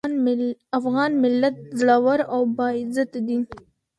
افغان ملت زړور او باعزته دی.